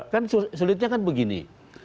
kan sulitnya kan begini